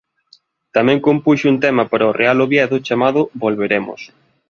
Tamén compuxo un tema para o Real Oviedo chamado «Volveremos».